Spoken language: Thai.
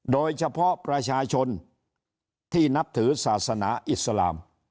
โดยเฉพาะประชาชนที่นับถือศาสนาอิสลาม